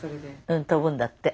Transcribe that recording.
うん飛ぶんだって。